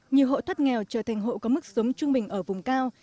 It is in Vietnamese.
nhiều hộ thoát nghèo trở thành hộ có mức sống trung bình ở vùng cao